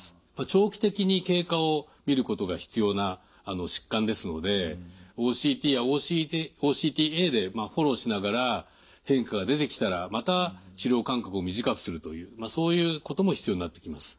長期的に経過をみることが必要な疾患ですのでＯＣＴやＯＣＴＡでフォローしながら変化が出てきたらまた治療間隔を短くするというそういうことも必要になってきます。